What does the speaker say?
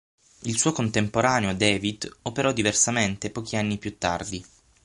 Il suo contemporaneo David operò diversamente pochi anni più tardi.